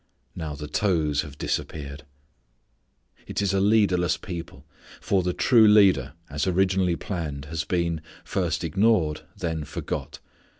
Now the toes have disappeared. It is a leaderless people, for the true Leader as originally planned has been, first ignored, then forgot.